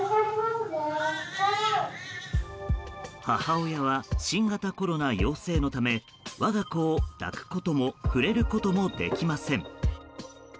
母親は新型コロナ陽性のため我が子を抱くことも触れることもできません。